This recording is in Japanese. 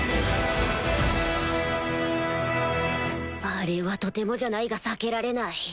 あれはとてもじゃないが避けられない